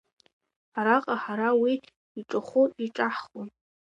Араҟа ҳара уи иҿахәы иҿаҳхуам.